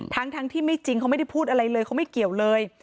ทั้งที่ไม่จริงเขาไม่ได้พูดอะไรเลยเขาไม่เกี่ยวเลย